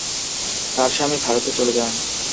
তার স্বামী ভারতে চলে যান।